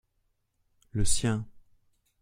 le sien.